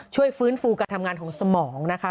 ช่วยฟื้นฟูการทำงานของสมองนะคะ